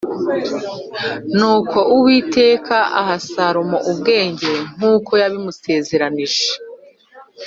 Nuko Uwiteka aha Salomo ubwenge nk’uko yamusezeranije